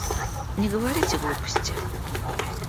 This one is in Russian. Не говорите глупости.